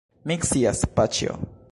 Mi scias, paĉjo.